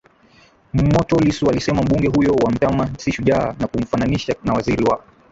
moto Lissu alisema mbunge huyo wa Mtama si shujaa na kumfananisha na waziri wa